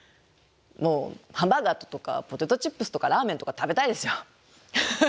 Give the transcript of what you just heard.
ハンバーガーとかポテトチップスとかラーメンとか食べたいですよ。